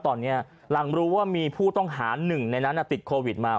ตอนนี้หลังรู้ว่ามีผู้ต้องหาหนึ่งในนั้นติดโควิดมา